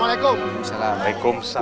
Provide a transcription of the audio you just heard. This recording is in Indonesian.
wabarakatuh pak kiai